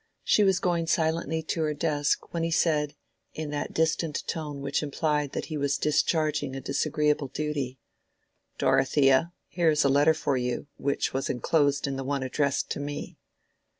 She was going silently to her desk when he said, in that distant tone which implied that he was discharging a disagreeable duty— "Dorothea, here is a letter for you, which was enclosed in one addressed to me."